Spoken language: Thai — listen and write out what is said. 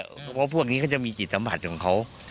เพราะว่าพวกนี้เขาจะมีจิตสัมผัสของเขา